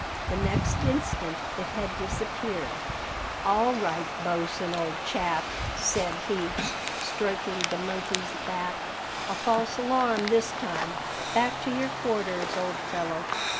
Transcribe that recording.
The next instant it had disappeared. "All right, Bosin, old chap," said he, stroking the monkeys back; "a false alarm this time back to your quarters, old fellow!"